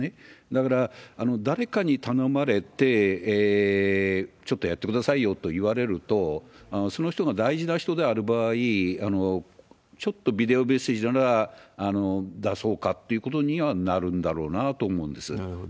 だから、誰かに頼まれて、ちょっとやってくださいよと言われると、その人が大事な人である場合、ちょっとビデオメッセージなら出そうかっていうことにはなるんだろうなと思うんです。